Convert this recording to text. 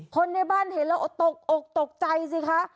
คนในบ้านเห็นเราอกอะตกใจสิคะ